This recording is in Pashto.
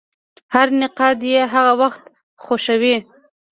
هر نقاد یې هغه وخت خوښ وي.